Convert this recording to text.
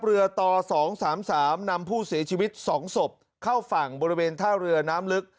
เรือต่อสองสามสามนำผู้เสียชีวิตสองศพเข้าฝั่งบริเวณท่าเรือน้ำลึก